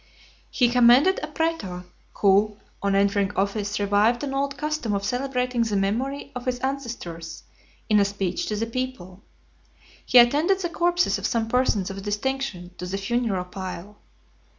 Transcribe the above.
He commended a praetor, who, on entering office, revived an old custom of celebrating the memory of his ancestors, in a speech to the people. He attended the corpses of some persons of distinction to the funeral pile.